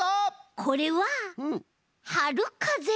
これははるかぜいろ。